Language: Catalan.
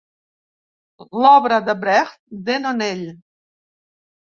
L'obra de Brecht, de Nonell.